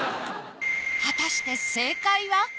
果たして正解は？